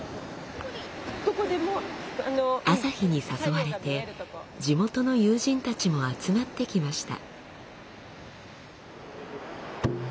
朝日に誘われて地元の友人たちも集まってきました。